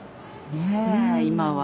ねえ今は。